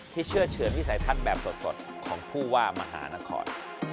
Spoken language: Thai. ที่เชื่อเฉือนวิสัยธาตุแบบสดของผู้ว่ามหานคร